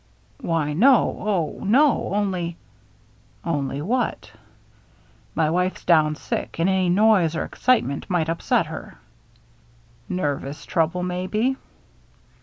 " Why, no — oh, no — only —"" Only what ?"" My wife's down sick, and any noise or excitement might upset her." " Nervous trouble, maybe."